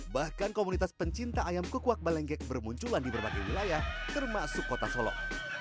bahkan komunitas pencinta ayam kukuak balengkek bermunculan di berbagai wilayah termasuk kota solok